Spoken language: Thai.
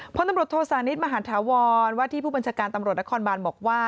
พลตำรวจโทษานิทมหาธาวรว่าที่ผู้บัญชาการตำรวจนครบานบอกว่า